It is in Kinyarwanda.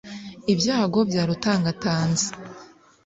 ibyago byarutangatanze